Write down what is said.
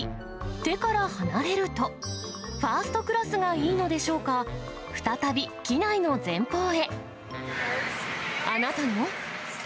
手から離れると、ファーストクラスがいいのでしょうか、再び機内あなたの？